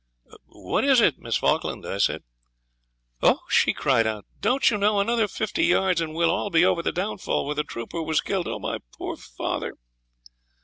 '"What is it, Miss Falkland?" I said. '"Oh!" she cried out, "don't you know? Another fifty yards and we'll be over the downfall where the trooper was killed. Oh, my poor father!"